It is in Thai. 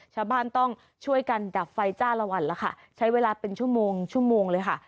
ชาวบ้านต้องช่วยกันดับไฟจ้าละวันแล้วค่ะใช้เวลาเป็นชั่วโมงชั่วโมงเลยค่ะ